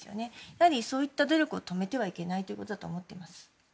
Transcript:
やはり、そういった努力を止めてはいけないということだと思っています。